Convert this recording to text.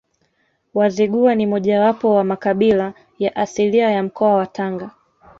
Wazigua ni mojawapo wa makabila ya asili ya mkoa wa Tanga